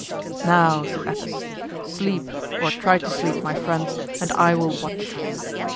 "Now," said Athos, "sleep, or try to sleep, my friends, and I will watch."